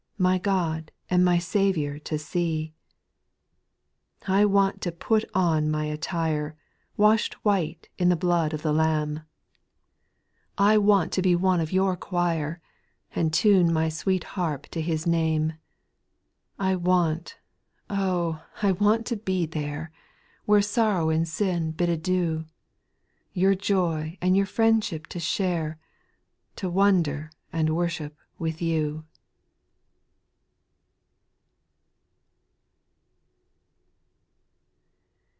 My God and my Saviour to see I 4. I want to put on my attire, Wash'd white in the blood of the Lamb ; 36 290 SPIRITUAL SONGS. I want to be one of your choir, And tune my sweet harp to His name. I want, oh ! I want to be there. Where sorrow and sin bid adieu, Your joy and your friendship to share, To wonder and worship with you.